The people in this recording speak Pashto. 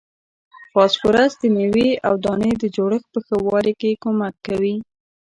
فاسفورس د میوې او دانې د جوړښت په ښه والي کې کومک کوي.